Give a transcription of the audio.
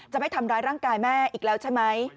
ไม่ทำร้ายร่างกายแม่อีกแล้วใช่ไหม